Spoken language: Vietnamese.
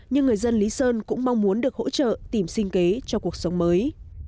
nhưng người dân lý sơn cũng mong muốn được hỗ trợ tìm sinh kế cho cuộc sống mới